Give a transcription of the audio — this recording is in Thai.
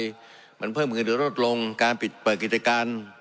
อย่างไรมันเพิ่มคืนหรือลดลงการปิดเปิดกิจการ